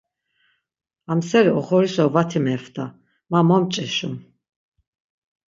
Amseri oxorişa vati meft̆a. Ma mo mç̌eşum.